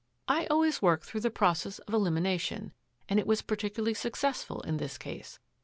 I always work through the process of elimination, and it was particularly successful in this case.